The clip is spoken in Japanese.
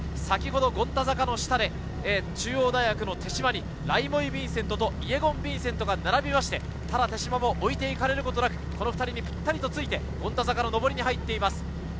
先ほど権太坂の下で中央大学の手島にライモイ・ヴィンセントとイェゴン・ヴィンセントが並びまして、ただ手島も置いていかれることなく２人にぴったりとついて、権太坂の上りに入っています。